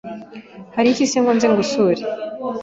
hari iki se ngo nze nkusure